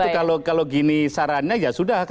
itu kalau gini sarannya ya sudah